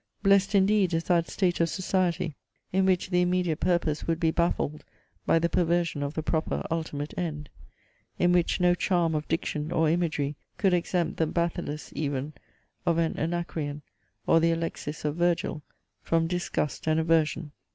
Blest indeed is that state of society, in which the immediate purpose would be baffled by the perversion of the proper ultimate end; in which no charm of diction or imagery could exempt the BATHYLLUS even of an Anacreon, or the ALEXIS of Virgil, from disgust and aversion!